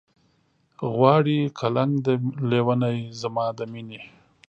غواړي قلنګ لېونے زما د مينې